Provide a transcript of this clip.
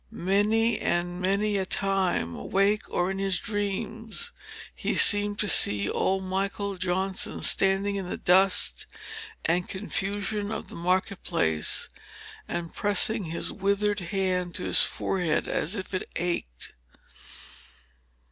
Many and many a time, awake or in his dreams, he seemed to see old Michael Johnson, standing in the dust and confusion of the market place, and pressing his withered hand to his forehead as if it ached.